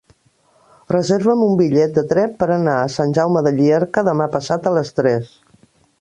Reserva'm un bitllet de tren per anar a Sant Jaume de Llierca demà passat a les tres.